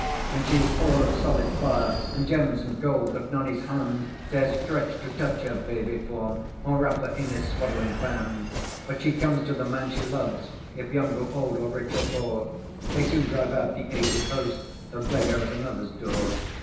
And she is all of solid fireAnd gems and gold, that none his handDares stretch to touch her baby form, Or wrap her in his swaddling band. But she comes to the man she loves, If young or old, or rich or poor; They soon drive out the Agèd Host,A beggar at another's door.